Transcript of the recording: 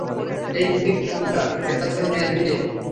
এই নিজেকে শুধরা, এটা তোর মেয়ের বিয়ে।